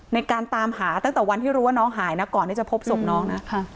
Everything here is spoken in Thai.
ในการตามหาตั้งแต่วันที่รู้ว่าน้องหายนะก่อนที่จะพบศพน้องนะ